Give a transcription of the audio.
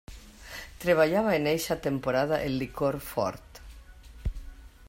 Treballava en eixa temporada el licor fort.